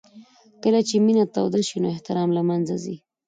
کله چې مینه توده شي نو احترام له منځه ځي.